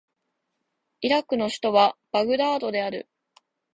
イラクの首都はバグダードである